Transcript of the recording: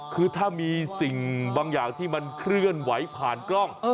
คือถ้ามีสิ่งบางอย่างที่มันเคลื่อนไหวผ่านกล้อง